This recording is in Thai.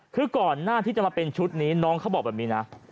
คือก่อนหน้าที่จะมาเป็นชุดนี้น้องเขาบอกแบบนี้นะ